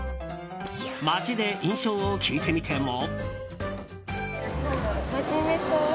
街で印象を聞いてみても。